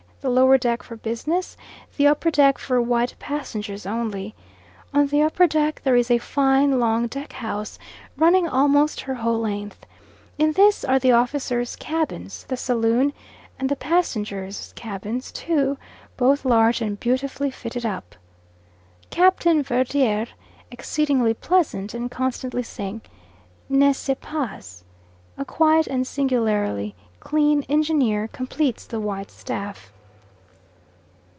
The lower deck for business, the upper deck for white passengers only. On the upper deck there is a fine long deck house, running almost her whole length. In this are the officers' cabins, the saloon and the passengers' cabins (two), both large and beautifully fitted up. Captain Verdier exceedingly pleasant and constantly saying "N'est ce pas?" A quiet and singularly clean engineer completes the white staff.